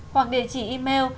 hoặc địa chỉ email